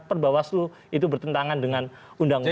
perbawaslu itu bertentangan dengan undang undang